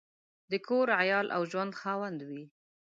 د کور، عیال او ژوند خاوند وي.